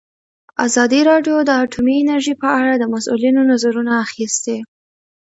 ازادي راډیو د اټومي انرژي په اړه د مسؤلینو نظرونه اخیستي.